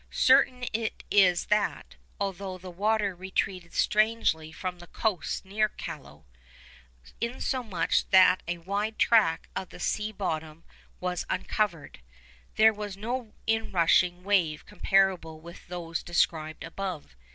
Certain it is that, although the water retreated strangely from the coast near Callao, insomuch that a wide tract of the sea bottom was uncovered, there was no inrushing wave comparable with those described above.